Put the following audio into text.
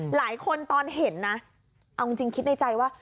หลายคนตอนเห็นนะเอาจริงคิดในใจว่า